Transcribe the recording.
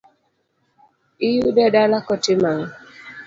Iyude dala kotimo ang'o?